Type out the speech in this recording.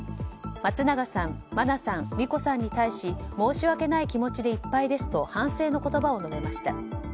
松永さん真菜さん、莉子さんに対し申し訳ない気持ちでいっぱいですと反省の言葉を述べました。